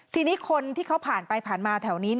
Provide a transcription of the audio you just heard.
ทีนี้คนที่เขาผ่านไปผ่านมาแถวนี้